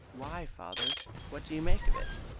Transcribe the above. "Why, father? What do you make of it?"